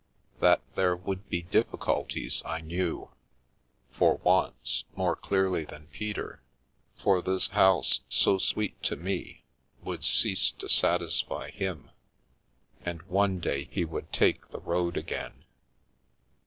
That there would be difficulties I knew, for once, more clearly than Peter, for this house, so sweet to me, would cease to satisfy him, and one day he would take the road again.